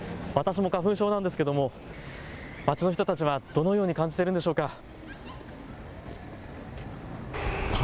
私も花粉症なんですけども街の人たちはどのように感じているんでしょうか。